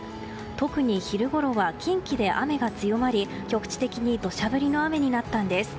特に昼ごろは近畿で雨が強まり局地的に土砂降りの雨になったんです。